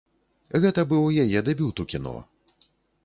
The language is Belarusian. Гэта быў яе дэбют у кіно.